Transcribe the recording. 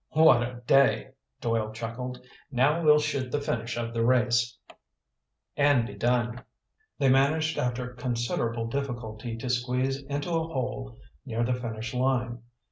"What a day!" Doyle chuckled. "Now we'll shoot the finish of the race and be done!" They managed after considerable difficulty to squeeze into a hole near the finish line.